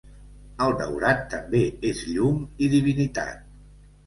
El daurat també és llum i divinitat.